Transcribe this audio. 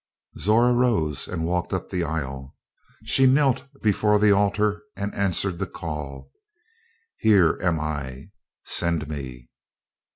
'" Zora rose and walked up the aisle; she knelt before the altar and answered the call: "Here am I send me."